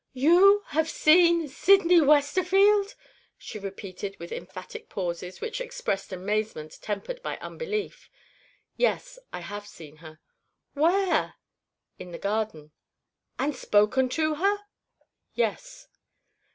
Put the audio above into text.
"You have seen Sydney Westerfield?" she repeated with emphatic pauses which expressed amazement tempered by unbelief. "Yes; I have seen her." "Where?" "In the garden." "And spoken to her?" "Yes."